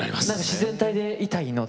自然体でいたいので。